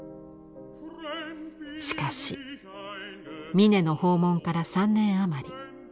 しかし峯の訪問から３年余り。